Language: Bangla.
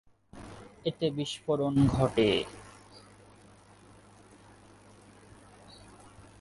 এতে বিস্ফোরণ ঘটে।